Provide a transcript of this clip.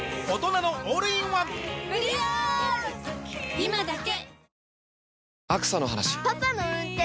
今だけ！